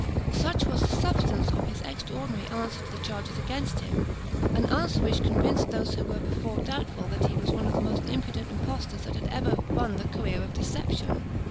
Such was the substance of his extraordinary answer to the charges against him; an answer which convinced those who were before doubtful that he was one of the most impudent impostors that had ever run the career of deception.